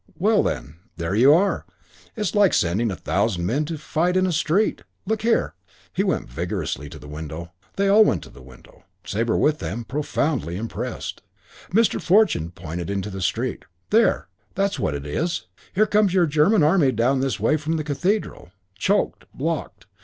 Well, then. There you are. It's like sending a thousand men to fight in a street. Look here " He went vigorously to the window. They all went to the window; Sabre with them, profoundly impressed. Mr. Fortune pointed into the street. "There. That's what it is. Here comes your German army down this way from the cathedral. Choked. Blocked.